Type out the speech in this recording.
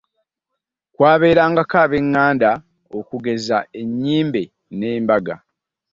Kwabeerangako ab'enganda okugeza ennyimbe n'embaga